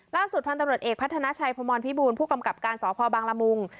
ล่าสุดพันธุ์ตำรวจเอกพัฒนาชัยพมรพิบูลผู้กำกับการสพบังละมุง